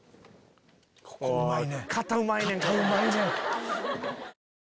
ここうまいねん。